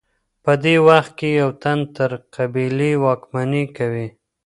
په دې وخت کي یو تن پر قبیلې واکمني کوي.